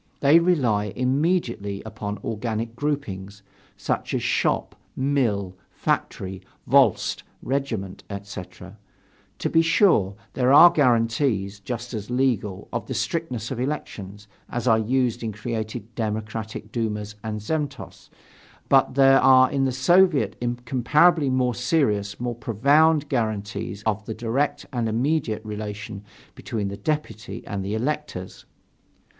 They rely immediately upon organic groupings, such as shop, mill, factory, volost, regiment, etc. To be sure, there are guarantees, just as legal, of the strictness of elections, as are used in creating democratic dumas and zemstvos. But there are in the Soviet incomparably more serious, more profound guarantees of the direct and immediate relation between the deputy and the electors.